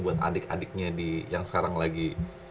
buat adik adiknya yang sekarang lagi